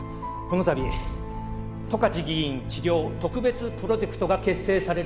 この度十勝議員治療特別プロジェクトが結成される事となりました。